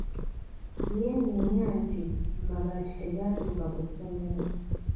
Yeewuunya nti amabaati tegaatuuka ku ssomero.